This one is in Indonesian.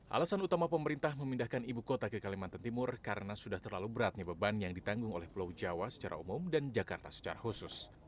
alasan utama pemerintah memindahkan ibu kota ke kalimantan timur karena sudah terlalu beratnya beban yang ditanggung oleh pulau jawa secara umum dan jakarta secara khusus